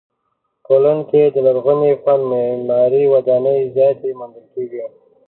پولنډ کې د لرغوني فن معماري ودانۍ زیاتې موندل کیږي.